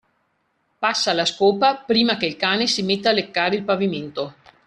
Passa la scopa prima che il cane si metta a leccare il pavimento!